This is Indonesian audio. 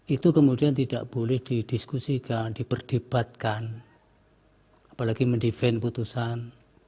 itu kemudian tidak boleh didiskusikan diperdebatkan apalagi mendefense putusan